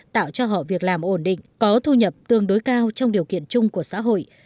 tạo cho họ việc làm ổn định có thu nhập tương đối cao trong điều kiện chung của xã hội